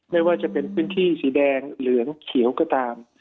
ไม่ว่าจะเป็นพื้นที่สีแดงเหลืองเขียวก็ตาม